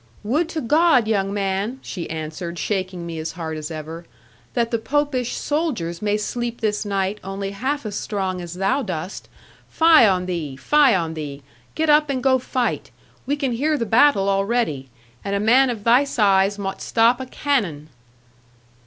'Would to God, young man,' she answered, shaking me as hard as ever, 'that the popish soldiers may sleep this night, only half as strong as thou dost! Fie on thee, fie on thee! Get up, and go fight; we can hear the battle already; and a man of thy size mought stop a cannon.'